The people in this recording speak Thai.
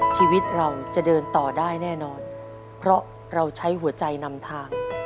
ชีวิตเราจะเดินต่อได้แน่นอนเพราะเราใช้หัวใจนำทาง